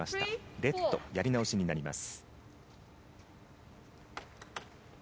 レット、やり直しになります。